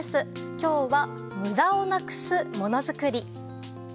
きょうは、無駄をなくすものづくり。